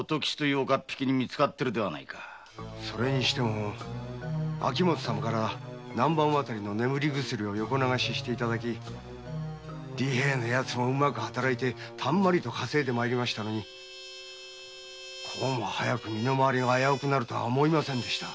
それにしても秋元様から南蛮渡りの眠り薬を横流ししていただき利平のやつもうまく働いてたんまり稼いで参りましたのにこうも早く身の回りが危うくなるとは思いませんでした。